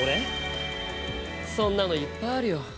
俺、そんなのいっぱいあるよ。